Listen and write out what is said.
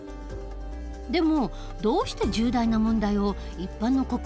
でもどうして重大な問題を一般の国民に任せちゃうの？